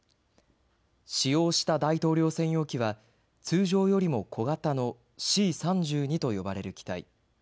使用した大統領専用機は通常よりも小型のＣ３２と呼ばれる機体。